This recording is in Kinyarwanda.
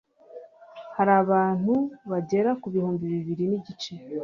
Hari abandi bantu bagera kubihumbi bibiri n'igice